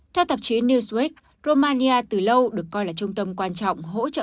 theo tạp chí newsweek romania từ lâu được coi là trung tâm quan trọng hỗ trợ